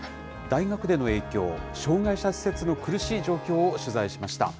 大学での影響、障害者施設の苦しい状況を取材しました。